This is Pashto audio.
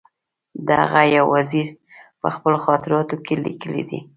د هغه یو وزیر په خپلو خاطراتو کې لیکلي دي.